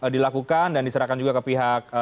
dilakukan dan diserahkan juga ke pihak